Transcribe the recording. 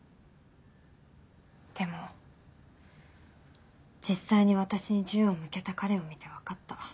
でも実際に私に銃を向けた彼を見て分かった。